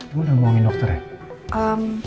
gue udah ngomongin dokter ya